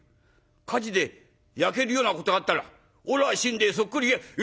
火事で焼けるようなことがあったらおらが身代そっくり』。